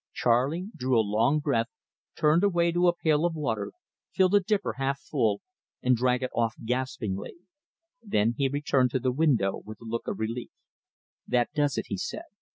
Charley drew a long breath, turned away to a pail of water, filled a dipper half full, and drank it off gaspingly. Then he returned to the window with a look of relief. "That does it," he said.